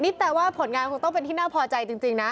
นี่แปลว่าผลงานคงต้องเป็นที่น่าพอใจจริงนะ